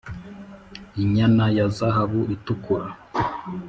inyana ya zahabu itukura